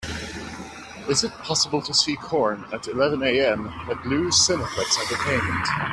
is it possible to see Corn at eleven A.M. at Loews Cineplex Entertainment